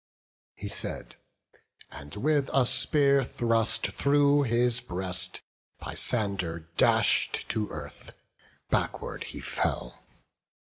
He said, and with a spear thrust through his breast Peisander dash'd to earth; backward he fell.